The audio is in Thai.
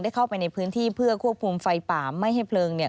ได้เข้าไปในพื้นที่เพื่อควบควบฟุมไฟป่าไม่ให้เพลิง